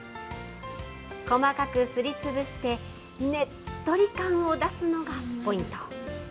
細かくすり潰して、ねっとり感を出すのがポイント。